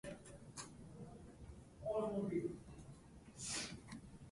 その年の九月に下の切り通しの河原町を西に折れたところに移りました